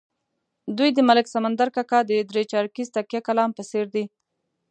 دوی د ملک سمندر کاکا د درې چارکیز تکیه کلام په څېر دي.